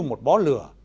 một bó lửa